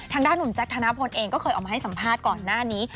ทางด้านหนุ่มแจ๊คธนพลเองก็เคยออกมาให้สัมภาษณ์ก่อนหน้านี้